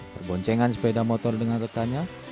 perboncengan sepeda motor dengan retanya